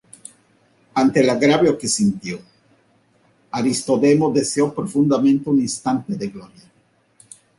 Ante el agravio que sintió, Aristodemo deseó profundamente un instante de gloria.